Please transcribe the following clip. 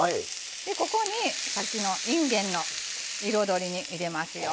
ここに、さっきのいんげんの彩りを入れますよ。